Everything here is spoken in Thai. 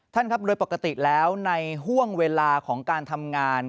ท่านครับโดยปกติแล้วในห่วงเวลาของการทำงาน